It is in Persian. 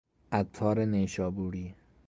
عطار نیشابوری